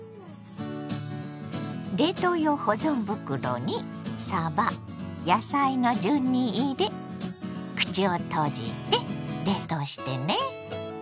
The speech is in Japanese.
冷凍用保存袋にさば野菜の順に入れ口を閉じて冷凍してね。